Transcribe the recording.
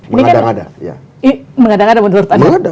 mengadang ada menurut anda